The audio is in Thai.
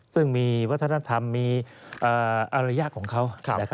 ซึ่งมีวัฒนธรรมมีอารยาทของเขา